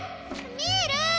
ミール！